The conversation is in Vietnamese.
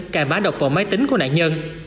cài má độc vào máy tính của nạn nhân